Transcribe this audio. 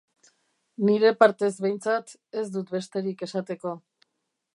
Nire partez, behintzat, ez dut besterik esateko.